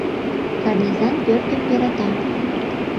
Карнизан пӧртым йӧрата.